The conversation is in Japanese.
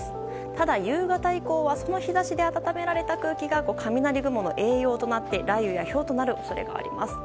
ただ、夕方以降はその日差しで暖められた空気が雷雲の栄養となって雷雨やひょうとなる恐れがあります。